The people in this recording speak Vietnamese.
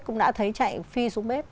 cũng đã thấy chạy phi xuống bếp